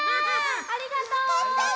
ありがとう！